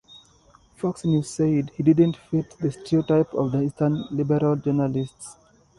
Fox News said, He didn't fit the stereotype of the Eastern liberal journalist.